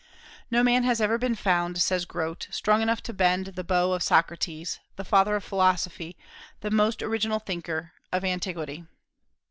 "No man has ever been found," says Grote, "strong enough to bend the bow of Socrates, the father of philosophy, the most original thinker of antiquity."